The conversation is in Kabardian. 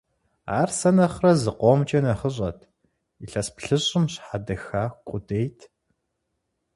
Ар сэ нэхърэ зыкъомкӀэ нэхъыщӀэт, илъэс плӀыщӀым щхьэдэха къудейт.